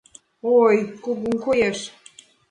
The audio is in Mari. Ой, кугун коеш.